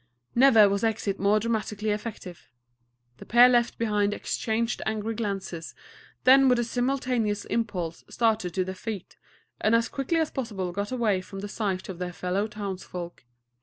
Never was exit more dramatically effective. The pair left behind exchanged angry glances, then with a simultaneous impulse started to their feet, and as quickly as possible got away from the sight of their fellow townsfolk.